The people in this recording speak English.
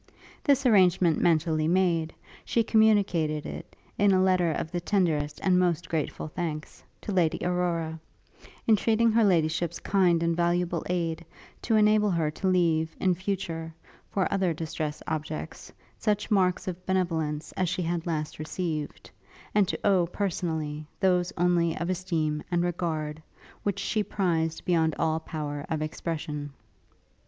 This arrangement mentally made, she communicated it, in a letter of the tenderest and most grateful thanks, to Lady Aurora; entreating her ladyship's kind and valuable aid, to enable her to leave, in future, for other distressed objects, such marks of benevolence as she had last received; and to owe, personally, those, only, of esteem and regard; which she prized beyond all power of expression.